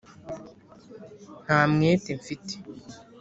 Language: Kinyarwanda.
nta mwete mfite